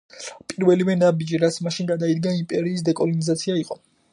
პირველივე ნაბიჯი, რაც მაშინ გადაიდგა, იმპერიის დეკოლონიზაცია იყო.